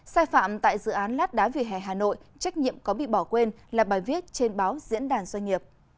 sai phạm tại dự án lát đá vì hè hà nội trách nhiệm có bị bỏ quên là bài viết trên báo diễn đàn doanh nghiệp